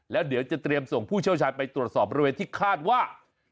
แล้วเดี๋ยวจะเตรียมส่งผู้เชี่ยวชาญไปตรวจสอบบริเวณที่คาดว่า